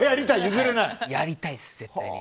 やりたいです、絶対に。